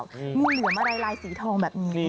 งูเหลือมอะไรลายสีทองแบบนี้